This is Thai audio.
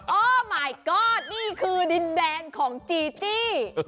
โอ้ชะมัดนี่คือดินแดงของจีจี้